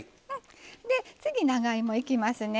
で次長芋いきますね。